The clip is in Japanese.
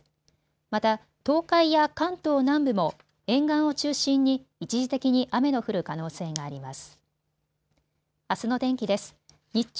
また東海や関東南部も沿岸を中心に一時的に雨の降る可能性があります。